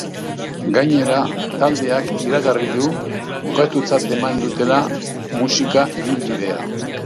Gainera, taldeak iragarri du bukatutzat eman dutela musika-ibilbidea.